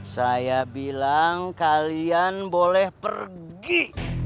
saya bilang kalian boleh pergi